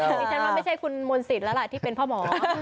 ดิฉันว่าไม่ใช่คุณมนต์สิทธิ์แล้วล่ะที่เป็นพ่อหมอ